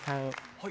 はい。